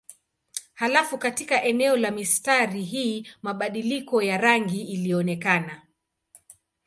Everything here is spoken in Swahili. Halafu katika eneo la mistari hii mabadiliko ya rangi ilionekana.